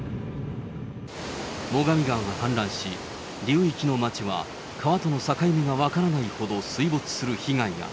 最上川が氾濫し、流域の町は、川との境目が分からないほど水没する被害が。